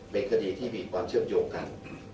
เป็นคดีที่มีความเชื่อมโยงกัน